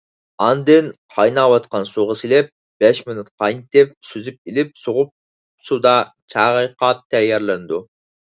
ئاندىن قايناۋاتقان سۇغا سېلىپ بەش مىنۇت قاينىتىپ، سۈزۈپ ئېلىپ سوغۇق سۇدا چايقاپ تەييارلىنىدۇ.